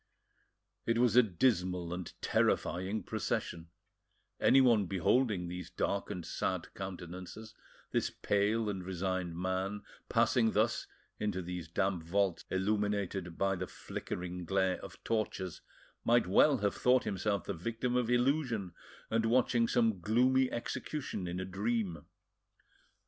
It was a dismal and terrifying procession; anyone beholding these dark and sad countenances, this pale and resigned man, passing thus into these damp vaults illuminated by the flickering glare of torches, might well have thought himself the victim of illusion and watching some gloomy execution in a dream.